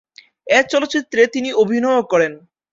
এ চলচ্চিত্রে তিনি অভিনয়ও করেন।